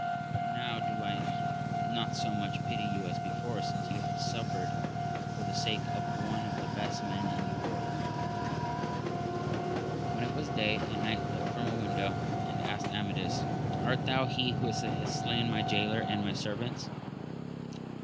but now do I not so much pity you as before, since you have suffered for the sake of one of the best men in the world. When it was day, a knight looked from a window and asked Amadis, Art thou he who hast slain my jaylor and my servants?